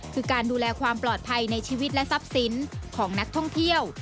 คือการดูแลความปลอดภัยในชีวิตและทรัพย์สินของนักท่องเที่ยว